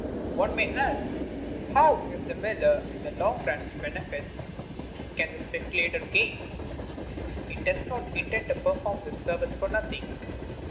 One may ask, How, if the miller in the long run benefits, can the speculator gain? He does not intend to perform this service for nothing.